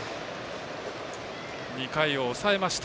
２回を抑えました